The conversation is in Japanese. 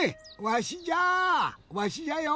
わしじゃよ。